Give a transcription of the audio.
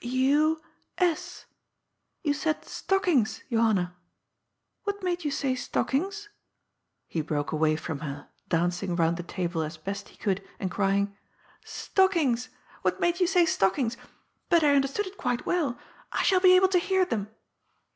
XT — S. You said * stockings,* Johanna. What made you say * stockings '?" He broke away from her, dancing round the table as best he could, and crying :" Stockings ; what made you say stockings ? But I un derstood it quite well. I shall be able to hear them.